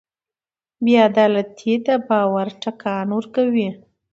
بېعدالتي د باور ټکان ورکوي.